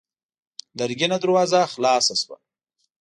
لرګينه دروازه خلاصه شوه.